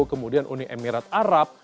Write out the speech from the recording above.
kemudian uni emirat arab